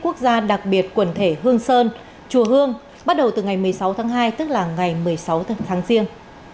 quốc gia đặc biệt quần thể hương sơn chùa hương bắt đầu từ ngày một mươi sáu tháng hai tức là ngày một mươi sáu tháng riêng